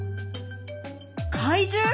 怪獣！？